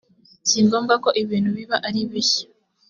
si ngombwa ko ibintu biba ari bishya